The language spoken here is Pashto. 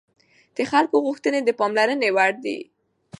د خلکو غوښتنې د پاملرنې وړ دي